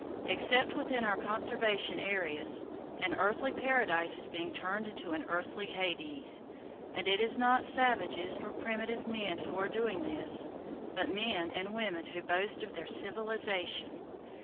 Except within our conservation areas, an earthly paradise is being turned into an earthly hades; and it is not savages nor primitive men who are doing this, but men and women who boast of their civilization.